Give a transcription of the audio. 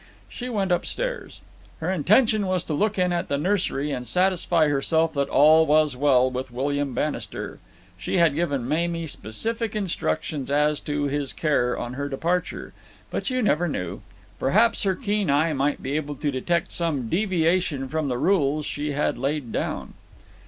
She went upstairs. Her intention was to look in at the nursery and satisfy herself that all was well with William Bannister. She had given Mamie specific instructions as to his care on her departure; but you never knew. Perhaps her keen eye might be able to detect some deviation from the rules she had laid down.